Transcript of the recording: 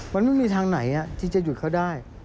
มันไม่มีทางไหนที่จะหยุดเขาได้